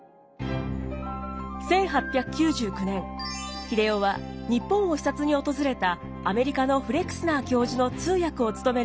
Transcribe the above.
１８９９年英世は日本を視察に訪れたアメリカのフレクスナー教授の通訳を務めることになります。